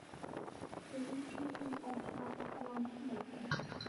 The region is identified with the land of Maydan.